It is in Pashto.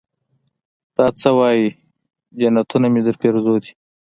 دا سه وايې جنتونه مې درپېرزو دي.